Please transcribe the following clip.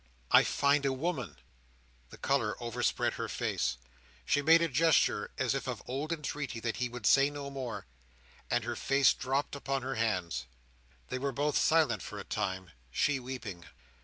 I find a woman." The colour overspread her face. She made a gesture as if of entreaty that he would say no more, and her face dropped upon her hands. They were both silent for a time; she weeping.